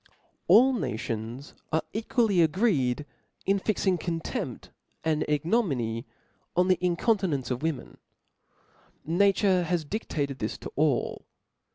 ALL nations arc equally agreed in fixing con tempt and ignominy on the incontinence of women* Nature has diftated this to all.